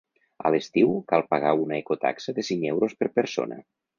A l’estiu, cal pagar una ecotaxa de cinc euros per persona.